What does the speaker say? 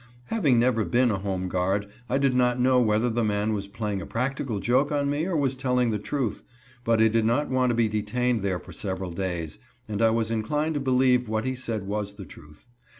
Having never been a home guard, I did not know whether the man was playing a practical joke on me or was telling the truth, but I did not want to be detained there for several days, and I was inclined to believe what he said was the truth.